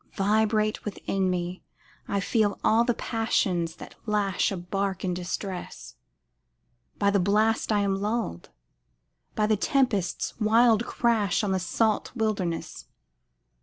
Vibrate within me I feel all the passions that lash A bark in distress: By the blast I am lulled by the tempest's wild crash On the salt wilderness.